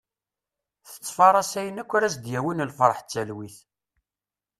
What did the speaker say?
Tettfaras ayen akk ara as-d-yawin lferḥ d talwit.